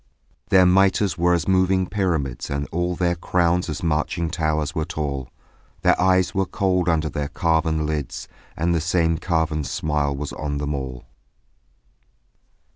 Their mitres were as moving pyramids And all their crowns as marching towers were tall; Their eyes were cold under their carven lids And the same carven smile was on them all.